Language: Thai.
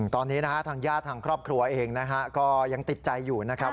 ตอนนี้นะฮะทางญาติทางครอบครัวเองนะฮะก็ยังติดใจอยู่นะครับ